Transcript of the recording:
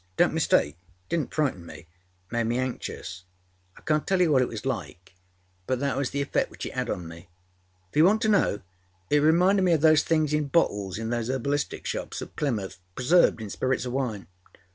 Donât mistake. It didnât frighten me. It made me anxious. I canât tell you what it was like, but that was the effect which it âad on me. If you want to know, it reminded me of those things in bottles in those herbalistic shops at Plymouthâpreserved in spirits of wine.